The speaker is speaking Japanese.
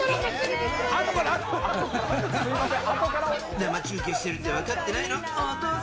生中継してるって分かってないの？